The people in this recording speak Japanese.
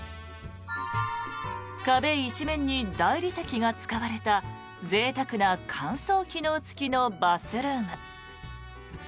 壁一面に大理石が使われたぜいたくな乾燥機能付きのバスルーム。